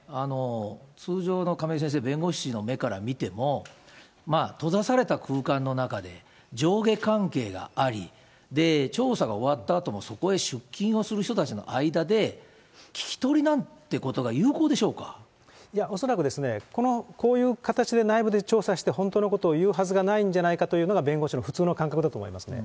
通常の亀井先生、弁護士の目から見ても、閉ざされた空間の中で、上下関係があり、で、調査が終わったあともそこへ出勤する人たちの間で、聞き取りなん恐らくですね、こういう形で内部で調査して、本当のことを言うはずがないんじゃないかというのが、弁護士の普通の感覚だと思いますね。